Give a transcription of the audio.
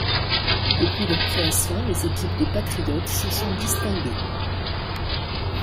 Depuis leur création, les équipes des Patriotes se sont distinguées.